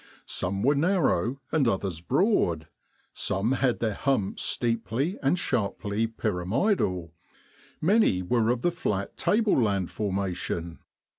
Some were narrow and others broad : some had their humps steeply and sharply pyramidal, many were of the flat tableland formation.